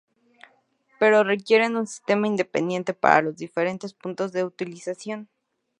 Pero requieren un sistema independiente para los diferentes puntos de utilización.